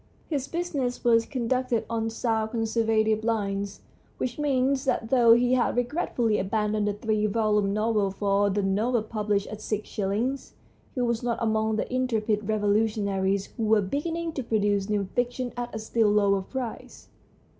His business was conducted on sound con servative lines, which means that though he had regretfully abandoned the three volume 124 THE STORY OF A BOOK novel for the novel published at six shillings, he was not among the intrepid revolutionaries who were beginning to produce new fiction at a still lower price.